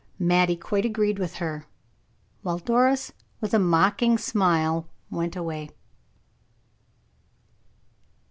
Mattie quite agreed with her, while Doris, with a mocking smile, went away.